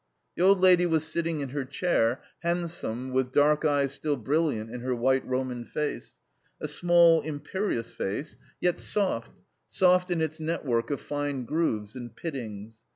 The old lady was sitting in her chair, handsome, with dark eyes still brilliant in her white Roman face, a small imperious face, yet soft, soft in its network of fine grooves and pittings.